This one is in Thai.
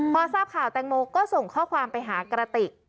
พอทราบข่าวแตงโมก็ส่งข้อความไปหากระติก